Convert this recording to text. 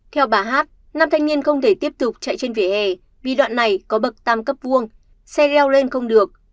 theo bà hát nam thanh niên không thể tiếp tục chạy trên vỉa hè vì đoạn này có bậc tam cấp vuông xe leo lên không được